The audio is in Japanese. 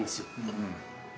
うん。